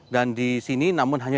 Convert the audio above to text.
dan di sini namun hanya